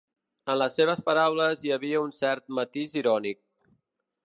En les seves paraules hi havia un cert matís irònic.